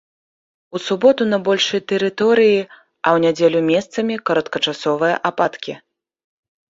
У суботу на большай тэрыторыі, а ў нядзелю месцамі кароткачасовыя ападкі.